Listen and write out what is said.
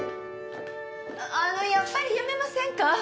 あのやっぱりやめませんか？